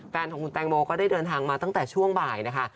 แฟนของคุณแตงโมก็ได้เดินทางมาตั้งแต่ช่วงบ่ายนะคะ